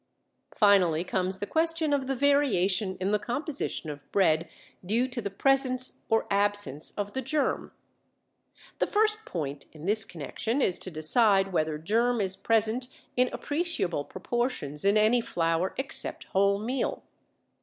Finally comes the question of the variation in the composition of bread due to the presence or absence of the germ. The first point in this connection is to decide whether germ is present in appreciable proportions in any flour except wholemeal.